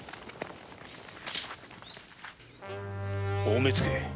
大目付